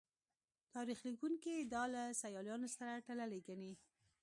تاریخ لیکوونکي دا له سیالانو سره تړلې ګڼي